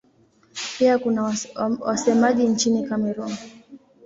Pia kuna wasemaji nchini Kamerun.